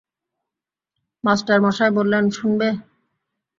মাস্টারমশায় বললেন, শুনবে?